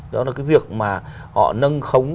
đó là cái việc mà họ nâng khống